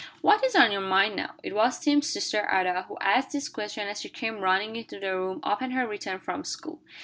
"What is on your mind, now?" It was Tim's sister Ada who asked this question as she came running into the room upon her return from school.